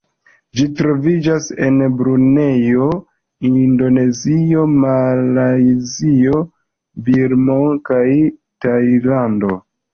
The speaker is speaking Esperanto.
Ĝi troviĝas en Brunejo, Indonezio, Malajzio, Birmo kaj Tajlando.